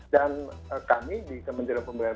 dan kami di kementerian pembangunan